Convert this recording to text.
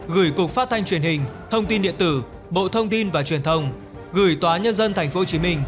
gửi cục phát thanh truyền hình thông tin điện tử bộ thông tin và truyền thông gửi tòa nhân dân tp hcm